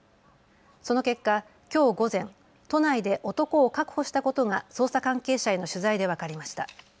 その結果、きょう午前、都内で男を確保したことが捜査関係者への取材で分かりました。